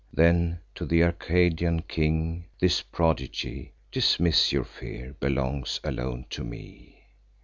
Then, to th' Arcadian king: "This prodigy (Dismiss your fear) belongs alone to me.